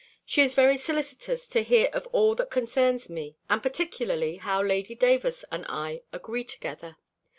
She is very solicitous to hear of all that concerns me, and particularly how Lady Davers and I agree together.